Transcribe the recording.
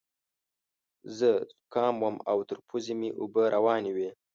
زه ذکام وم او تر پوزې مې اوبه روانې وې.